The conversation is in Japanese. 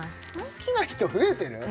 好きな人増えてる？